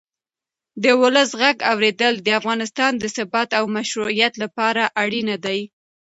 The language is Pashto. د ولس غږ اورېدل د افغانستان د ثبات او مشروعیت لپاره اړین دی